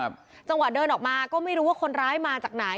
จังหวะเดินออกมาก็ไม่รู้ว่าคนร้ายมาจากไหน